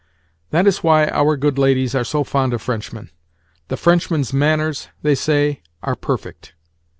That is why our good ladies are so fond of Frenchmen—the Frenchman's manners, they say, are perfect!